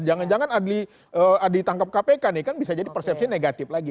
jangan jangan adli ditangkap kpk nih kan bisa jadi persepsi negatif lagi